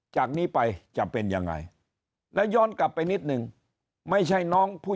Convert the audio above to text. จากนี้ไปจะเป็นยังไงแล้วย้อนกลับไปนิดนึงไม่ใช่น้องผู้